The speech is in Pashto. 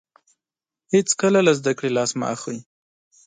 هیڅکله له زده کړې لاس مه اخلئ.